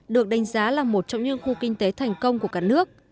được đánh giá là một trong những khu kinh tế thành công của cả nước